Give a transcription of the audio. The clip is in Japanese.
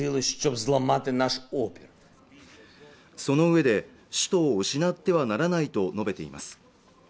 そのうえで首都を失ってはならないと述べています